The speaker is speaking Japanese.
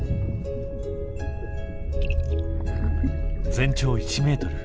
全長１ｍ。